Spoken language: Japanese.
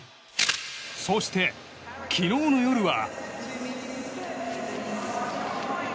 そして昨日の夜は。